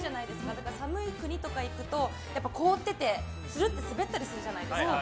だから寒い国とか行くと凍っててつるって滑ったりするじゃないですか。